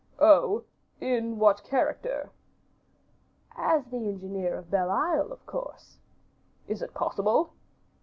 "Oh! in what character?" "As the engineer of Belle Isle, of course." "Is it possible?"